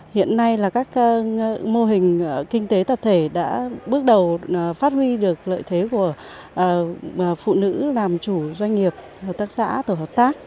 hiện nay là các mô hình kinh tế tập thể đã bước đầu phát huy được lợi thế của phụ nữ làm chủ doanh nghiệp hợp tác xã tổ hợp tác